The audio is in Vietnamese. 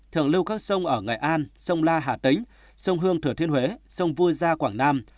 thượng lưu các sông ở nghệ an sông la hà tĩnh sông hương thừa thiên huế sông vu gia quảng nam